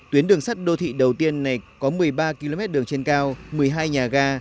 tuyến đường sắt đô thị đầu tiên này có một mươi ba km đường trên cao một mươi hai nhà ga